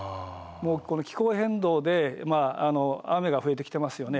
この気候変動で雨が増えてきてますよね。